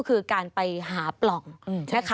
สวัสดีค่ะสวัสดีค่ะ